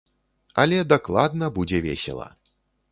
Але дакладна будзе весела.